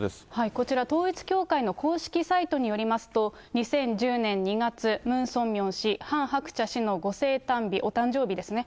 こちら、統一教会の公式サイトによりますと、２０１０年２月、ムン・ソンミョン氏、ハン・ハクチャ氏の御聖誕日、お誕生日ですね。